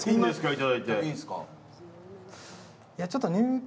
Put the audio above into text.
いただいて。